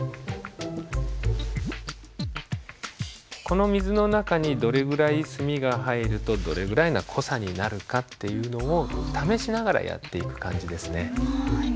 この水の中にどれぐらい墨が入るとどれぐらいな濃さになるかっていうのを試しながらやっていく感じですね。